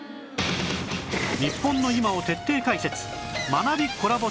日本の今を徹底解説学びコラボスペシャル